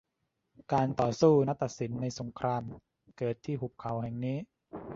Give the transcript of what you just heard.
การต่อสู้นัดตัดสินในสงครามเกิดที่หุบเขาแห่งนี้